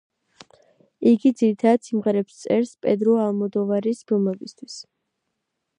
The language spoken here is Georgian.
იგი ძირითადად სიმღერებს წერს პედრო ალმოდოვარის ფილმებისთვის.